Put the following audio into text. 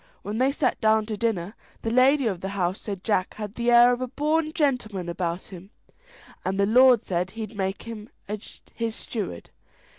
When they sat down to dinner, the lady of the house said Jack had the air of a born gentleman about him, and the lord said he'd make him his steward.